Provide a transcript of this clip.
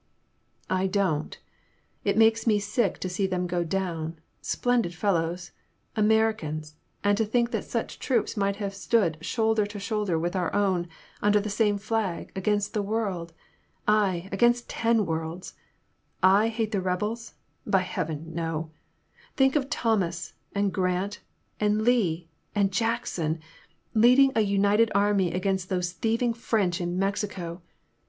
I don't; it makes me sick to see them go down— splendid fellows, — Americans, and to think that such troops might have stood shoulder to shoulder with our own, under the same flag, against the world !— aye, against ten worlds ! I hate the rebels ? By Heaven, no ! Think of Thomas and Grant and Lee and Jackson leading a united army against those thieving French in 220 In the Name of the Most High. Mexico